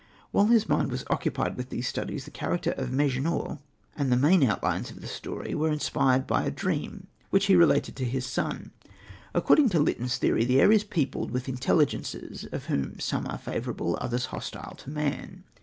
While his mind was occupied with these studies, the character of Mejnour and the main outlines of the story were inspired by a dream, which he related to his son. According to Lytton's theory, the air is peopled with Intelligences, of whom some are favourable, others hostile to man.